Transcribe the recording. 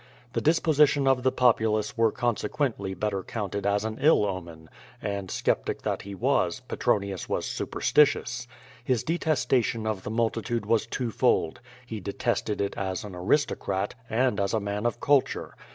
The disposition of the populace were consequently better counted an ill omeiu.and, skeptic that he was, Petronius was super stitious. (His detestation of the multitude was two fold: he detested it as an aristocrat, and as a man of culture.